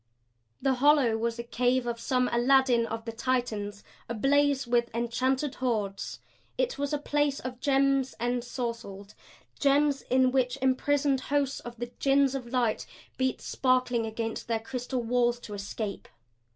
The hollow was a cave of some Aladdin of the Titans ablaze with enchanted hoards. It was a place of gems ensorcelled, gems in which imprisoned hosts of the Jinns of Light beat sparkling against their crystal walls to escape.